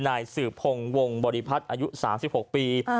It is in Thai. นายสืบพงศ์วงบริพัฒน์อายุ๓๖ปี